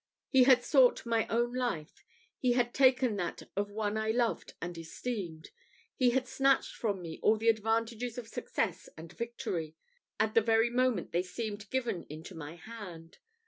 He had sought my own life he had taken that of one I loved and esteemed he had snatched from me all the advantages of success and victory, at the very moment they seemed given into my hand.